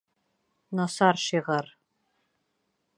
Насар шиғыр!..